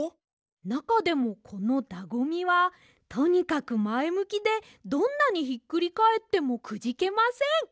なかでもこのだごみはとにかくまえむきでどんなにひっくりかえってもくじけません。